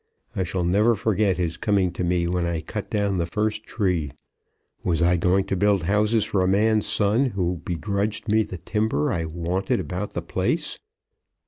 I shall never forget his coming to me when I cut down the first tree. Was I going to build houses for a man's son who begrudged me the timber I wanted about the place?"